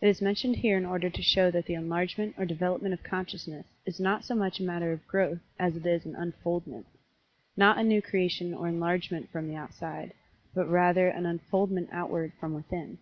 It is mentioned here in order to show that the enlargement or development of consciousness is not so much a matter of "growth" as it is an "unfoldment" not a new creation or enlargement from outside, but rather an unfoldment outward from within.